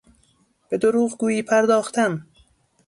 به دروغگویی پرداختن